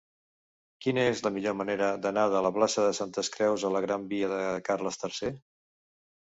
Quina és la millor manera d'anar de la plaça de Santes Creus a la gran via de Carles III?